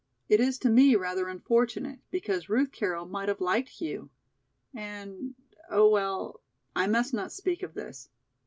It is to me rather unfortunate because Ruth Carroll might have liked Hugh, and, oh well, I must not speak of this!